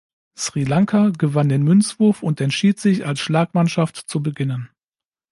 Sri Lanka gewann den Münzwurf und entschied sich als Schlagmannschaft zu beginnen.